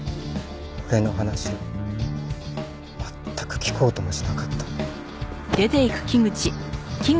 俺の話を全く聞こうともしなかった。